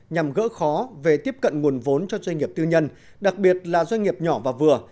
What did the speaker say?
nhằm gỡ khó về tiếp cận nguồn vốn cho doanh nghiệp tư nhân đặc biệt là doanh nghiệp nhỏ và vừa